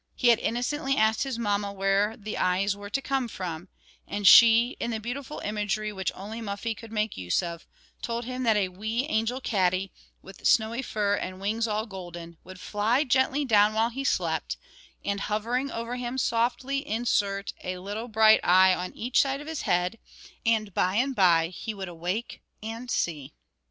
He had innocently asked his mamma, where the eyes were to come from; and she, in the beautiful imagery, which only Muffie could make use of, told him that a wee angel cattie, with snowy fur and wings all golden, would fly gently down while he slept, and, hovering over him softly insert a little bright eye on each side of his head, and by and by he would awake and see.